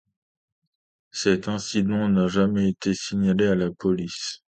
Cet incident n'a jamais été signalé à la police.